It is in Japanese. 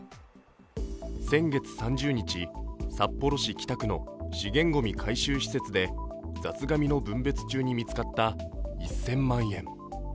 先月３０日札幌市北区の資源ごみの回収施設で雑がみの分別中に見つかった１０００万円。